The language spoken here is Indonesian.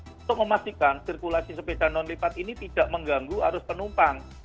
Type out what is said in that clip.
untuk memastikan sirkulasi sepeda non lipat ini tidak mengganggu arus penumpang